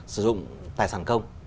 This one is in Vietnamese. sử dụng tài sản công